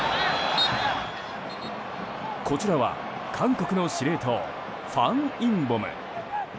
こちらは韓国の司令塔ファン・インボム。